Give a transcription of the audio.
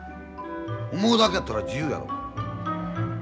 思うだけやったら自由やろ。